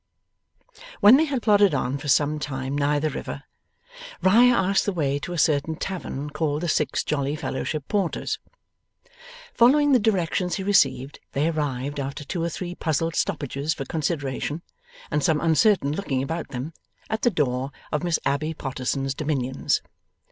When they had plodded on for some time nigh the river, Riah asked the way to a certain tavern called the Six Jolly Fellowship Porters. Following the directions he received, they arrived, after two or three puzzled stoppages for consideration, and some uncertain looking about them, at the door of Miss Abbey Potterson's dominions.